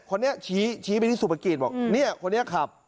คนนี้ชี้ไปที่สุภกิจบอกเนี่ยคนนี้ขับ